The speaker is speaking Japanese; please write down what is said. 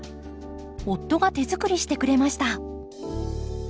夫が手づくりしてくれました。